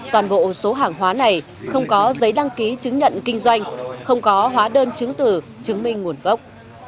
toàn bộ số hàng hóa này không có giấy đăng ký chứng nhận kinh doanh không có hóa đơn chứng tử chứng minh nguồn gốc